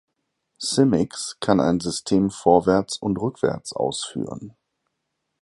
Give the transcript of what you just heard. Simics kann ein System vorwärts und rückwärts ausführen.